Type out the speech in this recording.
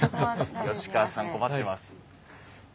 吉川さん困ってます。